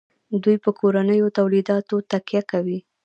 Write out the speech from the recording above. دوی په کورنیو تولیداتو تکیه کوي.